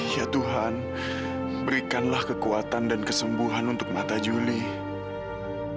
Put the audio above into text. ya tuhan berikanlah kekuatan dan kesembuhan untuk mata julie